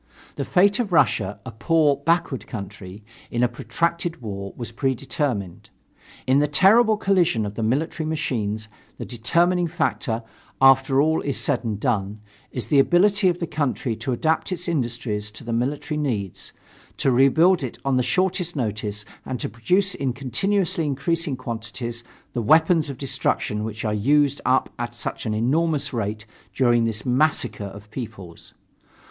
The fate of Russia, a poor, backward country, in a protracted war was predetermined. In the terrible collision of the military machines the determining factor, after all is said and done, is the ability of the country to adapt its industries to the military needs, to rebuild it on the shortest notice and to produce in continuously increasing quantities the weapons of destruction which are used up at such an enormous rate during this massacre of peoples.